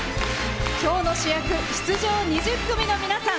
今日の主役出場者２０組の皆さん。